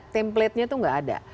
templatenya itu nggak ada